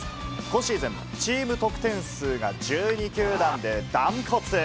今シーズン、チーム得点数が１２球団で断トツ。